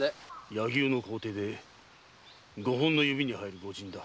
柳生の高弟で五本の指に入る御仁だ。